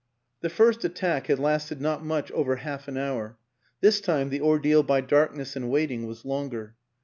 The first attack had lasted not much over half an hour; this time the ordeal by darkness and waiting was longer.